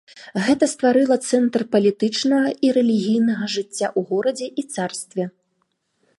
Гэта стварыла цэнтр палітычнага і рэлігійнага жыцця ў горадзе і царстве.